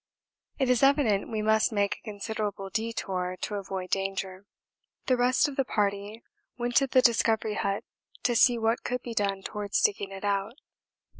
It is evident we must make a considerable détour to avoid danger. The rest of the party went to the Discovery hut to see what could be done towards digging it out.